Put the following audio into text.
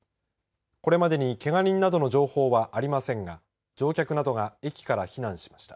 これまでにけが人などの情報はありませんが、乗客などが駅から避難しました。